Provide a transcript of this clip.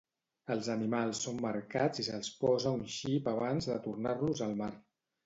Els animals són marcats i se'ls posa un xip abans de tornar-los al mar.